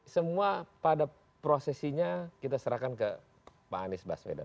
semua pada prosesinya kita serahkan ke pak anies baswedan